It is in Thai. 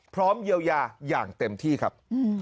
พร้อมเยียวยาอย่างเต็มที่ครับ